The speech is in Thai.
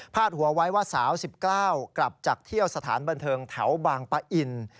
หัวไว้ว่าสาว๑๙กลับจากเที่ยวสถานบันเทิงแถวบางปะอิน